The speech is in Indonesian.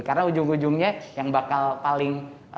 karena ujung ujungnya yang bakal paling